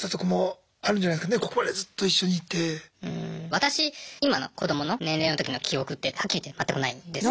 私今の子どもの年齢のときの記憶ってはっきり言って全くないんですよ。